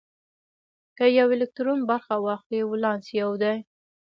که یو الکترون برخه واخلي ولانس یو دی.